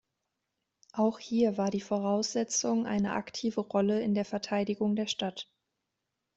Auch hier war die Voraussetzung eine aktive Rolle in der Verteidigung der Stadt.